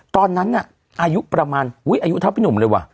ตอนนั้นน่ะอายุประมาณอายุเท่าพี่หนุ่มเลยว่ะ